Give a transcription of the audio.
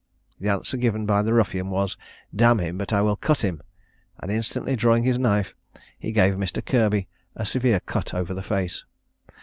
The answer given by the ruffian was "Damn him, but I will cut him," and instantly drawing his knife, he gave Mr. Kirby a severe cut over the face.